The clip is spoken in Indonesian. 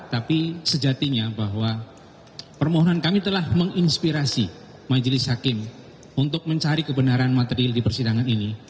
tapi sejatinya bahwa permohonan kami telah menginspirasi majelis hakim untuk mencari kebenaran materi di persidangan ini